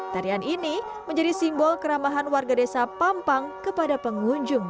tarian ini menjadi simbol keramahan warga desa pampang kepada pengunjung